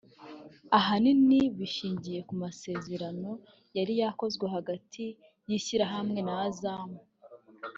ahanini bishingiye ku masezerano yari yakozwe hagati y’iri shyirahamwe na Azam